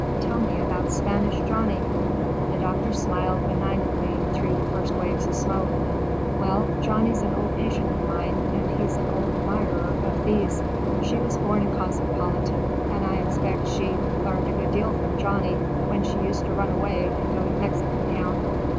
"Tell me about Spanish Johnny." The doctor smiled benignantly through the first waves of smoke. "Well, Johnny's an old patient of mine, and he's an old admirer of Thea's. She was born a cosmopolitan, and I expect she learned a good deal from Johnny when she used to run away and go to Mexican Town.